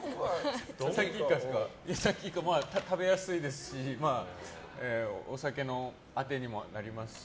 サキイカまあ食べやすいですしお酒のアテにもなりますし。